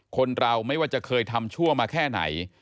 คนเราไม่ว่าจะเคยทำชั่วมาแค่ไหน